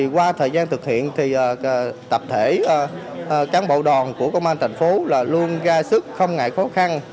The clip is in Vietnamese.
qua thời gian thực hiện thì tập thể cán bộ đòn của công an thành phố luôn ra sức không ngại khó khăn